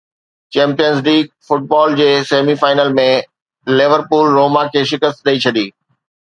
champions league football جي semi final ۾ Liverpool Roma کي شڪست ڏئي ڇڏي